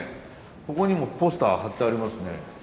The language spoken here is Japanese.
ここにもポスター貼ってありますね。